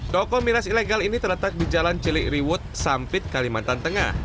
toko miras ilegal ini terletak di jalan cilikriwut sampit kalimantan tengah